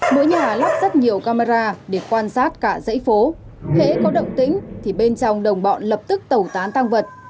mỗi nhà lắp rất nhiều camera để quan sát cả dãy phố hễ có động tĩnh thì bên trong đồng bọn lập tức tẩu tán tăng vật